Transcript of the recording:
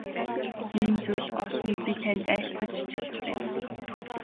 Ийм зүйл олныг би танд айлтгаж чадах байна.